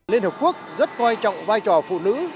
liên hiệp quốc rất quan trọng vai trò phụ nữ